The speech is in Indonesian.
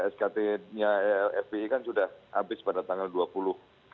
skt nya fpi kan sudah habis pada tanggal dua puluh